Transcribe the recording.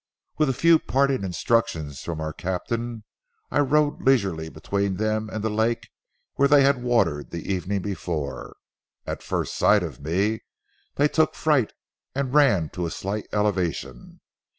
With a few parting instructions from our captain, I rode leisurely between them and the lake where they had watered the evening before. At first sight of me they took fright and ran to a slight elevation.